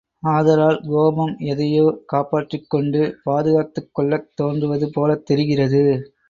ஆதலால் கோபம் எதையோ காப்பாற்றிக் கொண்டு பாதுகாத்துக் கொள்ளத் தோன்றுவது போலத் தெரிகிறது.